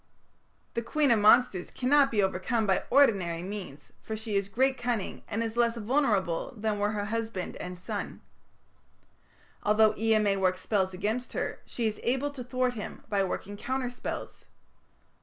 The queen of monsters cannot be overcome by ordinary means, for she has great cunning, and is less vulnerable than were her husband and son. Although Ea may work spells against her, she is able to thwart him by working counter spells.